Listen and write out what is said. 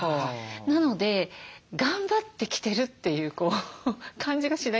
なので頑張って着てるという感じがしないんですよ。